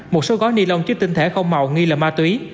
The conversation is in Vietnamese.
một số gói ni lông chứa tinh thể không màu nghi là ma túy